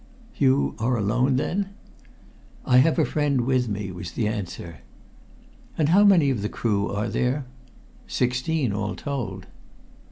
"You are alone, then?" "I have a friend with me," was the answer. "And how many of the crew are there?" "Sixteen, all told."